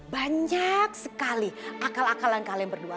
banyak sekali akal akalan kalian berdua